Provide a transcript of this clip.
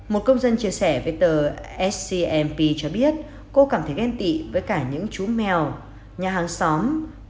một công dân chia sẻ với tờ scmp cho biết cô cảm thấy ghen tị với cả những chú mèo nhà hàng xóm